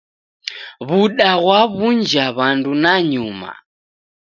W'uda ghwadaw'unja w'andu nanyuma